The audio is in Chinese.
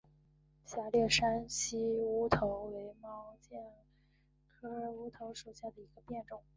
狭裂山西乌头为毛茛科乌头属下的一个变种。